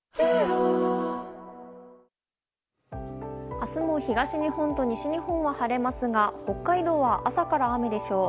明日も東日本と西日本は晴れますが北海道は朝から雨でしょう。